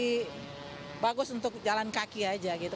lebih bagus untuk jalan kaki aja gitu